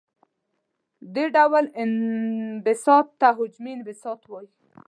دې ډول انبساط ته حجمي انبساط وايي.